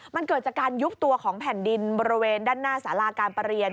มันเกิดจากการยุบตัวของแผ่นดินบริเวณด้านหน้าสาราการประเรียน